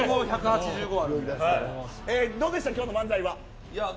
どうでした、今日の漫才は。